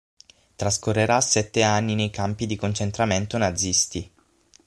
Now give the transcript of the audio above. Trascorrerà sette anni nei campi di concentramento nazisti.